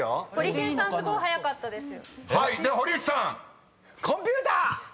［では堀内さん］「コンピューター」！